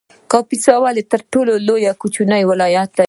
کاپیسا ولې تر ټولو کوچنی ولایت دی؟